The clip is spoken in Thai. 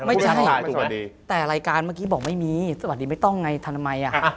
ไม่ใช่แต่รายการเมื่อกี้บอกไม่มีสวัสดีไม่ต้องไงทำทำไม